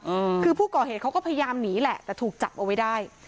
อืมคือผู้ก่อเหตุเขาก็พยายามหนีแหละแต่ถูกจับเอาไว้ได้